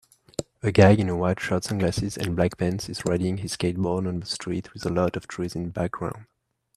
A guy in a white shirt sunglasses and black pants is riding his skateboard on a street with a lot of trees in the background